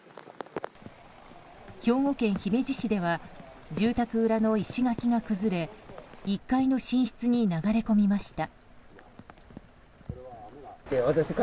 兵庫県姫路市では住宅裏の石垣が崩れ１階の寝室に流れ込みました。